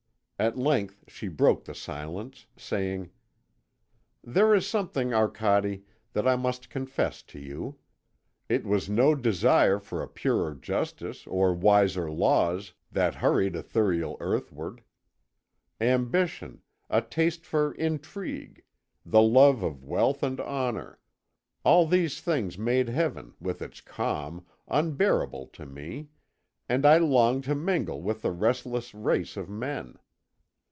At length she broke silence, saying: "There is something, Arcade, that I must confess to you. It was no desire for a purer justice or wiser laws that hurried Ithuriel earthward. Ambition, a taste for intrigue, the love of wealth and honour, all these things made Heaven, with its calm, unbearable to me, and I longed to mingle with the restless race of men.